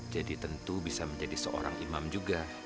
jadi tentu bisa menjadi seorang imam juga